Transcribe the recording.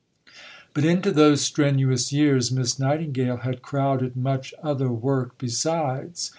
But into those strenuous years Miss Nightingale had crowded much other work besides.